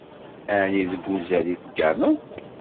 Ɛni deg uzal i tegganeḍ?